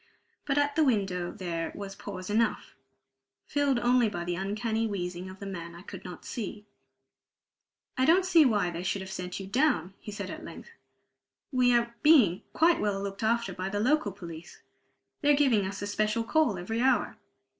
But at the window there was pause enough, filled only by the uncanny wheezing of the man I could not see. "I don't see why they should have sent you down," he said at length. "We are being quite well looked after by the local police; they're giving us a special call every hour."